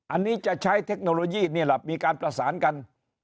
อันนี้จะใช้เทคโนโลยีนี่แหละมีการประสานกัน